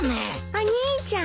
お兄ちゃん。